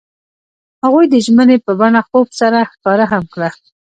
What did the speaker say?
هغوی د ژمنې په بڼه خوب سره ښکاره هم کړه.